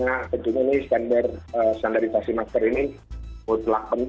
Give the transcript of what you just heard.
adalah penting untuk penyelenggaraan kesehatan dari masyarakat